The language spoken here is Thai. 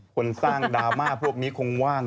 คนแสกของดาแม่พวกนี้คงว่าง